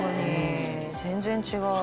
全然違う。